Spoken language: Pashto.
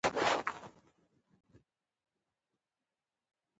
د ده تش ځای نه ډکېږي، ما لیدلی وو.